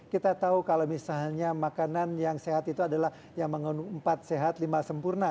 kita tahu kalau misalnya makanan yang sehat itu adalah yang mengandung empat sehat lima sempurna